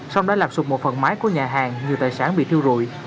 xong đã làm sụp một phần máy của nhà hàng như tài sản bị thiêu rụi